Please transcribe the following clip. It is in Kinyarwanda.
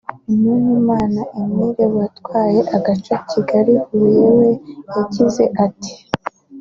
Bintunimana Emile watwaye agace Kigali -Huye we yagize ati